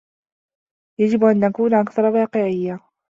يجب أن نكون أكثر واقعيّة..